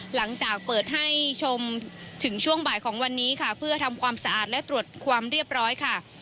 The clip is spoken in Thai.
หลังจากเปิดให้ชมถึงช่วงบ่ายของวันนี้ค่ะเพื่อทำความสะอาดและตรวจความเรียบร้อยค่ะ